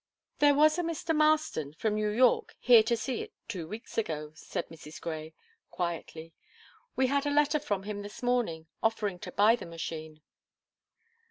"There was a Mr. Marston, from New York, here to see it two weeks ago," said Mrs. Grey, quietly. "We had a letter from him this morning, offering to buy the machine."